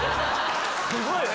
すごいな！